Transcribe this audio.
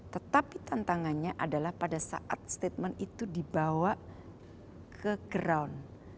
tetapi tantangannya adalah pada saat statement itu dibawa ke ground